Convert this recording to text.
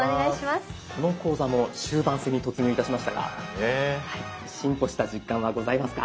この講座も終盤戦に突入いたしましたが進歩した実感はございますか？